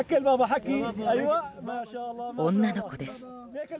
女の子です。